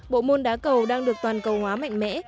bộ môn đá cầu đang được toàn cầu hóa mạnh mẽ